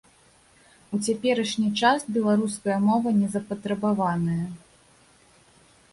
У цяперашні час беларуская мова незапатрабаваная.